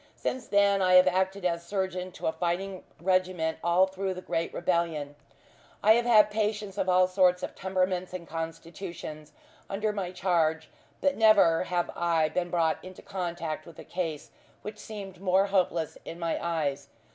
Since then I have acted as surgeon to a fighting regiment all through the great rebellion. I have had patients of all sorts of temperaments and constitutions under my charge, but never have I been brought into contact with a case which seemed more hopeless in my eyes.